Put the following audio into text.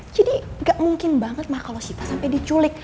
jadi gak mungkin banget mak kalau siva sampai diculik